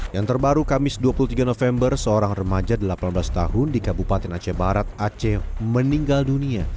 yang terbaru kamis dua puluh tiga november seorang remaja delapan belas tahun di kabupaten aceh barat aceh meninggal dunia